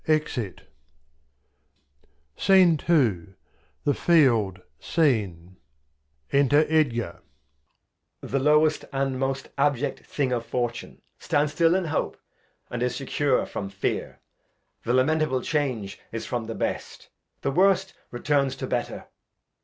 [Exit. The Field SCENE, Enter Edgar. Edg. The lowest and most abject Thing of Fortune Stands stiU in Hope, and is secure from Fear ; The lamentable Change is from the Best, The worst returns to better.